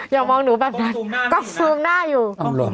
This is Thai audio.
อย่ามองหนูแบบนั้นก็ซูมหน้าอยู่